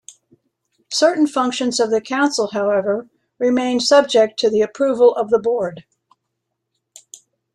Certain functions of the Council, however, remained subject to the approval of the Board.